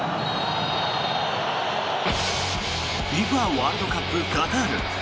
ＦＩＦＡワールドカップカタール。